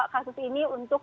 kasus ini untuk